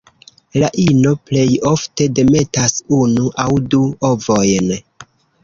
La ino plej ofte demetas unu aŭ du ovojn.